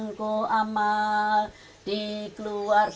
perang tu amat belilah perang